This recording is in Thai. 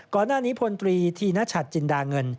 ก่อนหน้านี้พลตรีธีนชัดจินดาเงิน